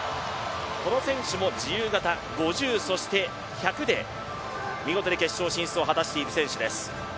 この選手も自由形、５０ｍ、１００で見事に決勝進出を果たしている選手。